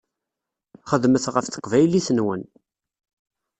Xedmet ɣef teqbaylit-nwen.